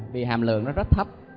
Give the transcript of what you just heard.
vì hàm lượng nó rất thấp